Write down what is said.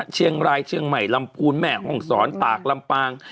เชียงรายเชียงใหม่ลำพูนแม่ห้องศรตากลำปาง